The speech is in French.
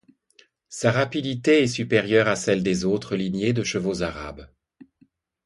Sa rapidité est supérieure à celle des autres lignées de chevaux arabes.